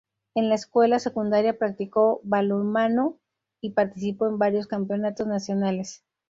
En la escuela secundaria practicó balonmano y participó en varios campeonatos nacionales.